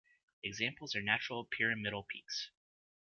Examples are natural pyramidal peaks.